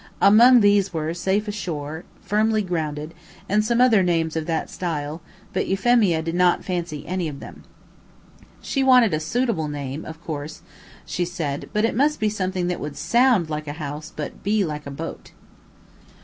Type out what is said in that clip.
Among these were: "Safe Ashore," "Firmly Grounded," and some other names of that style, but Euphemia did not fancy any of them. She wanted a suitable name, of course, she said, but it must be something that would SOUND like a house and BE like a boat.